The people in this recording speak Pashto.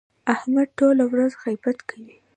احمد ټوله ورځ غیبت کوي.